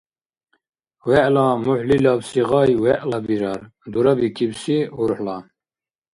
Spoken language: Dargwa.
ВегӀла мухӀлилабси гъай вегӀла бирар, дурабикибси — урхӀла.